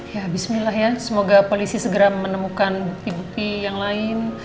ya bismillah ya semoga polisi segera menemukan bukti bukti yang lain